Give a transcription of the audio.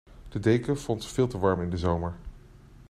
De deken vond ze veel te warm in de zomer.